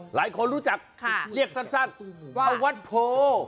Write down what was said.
หลายคนรู้จักเรียกสั้นว่าวัดโพ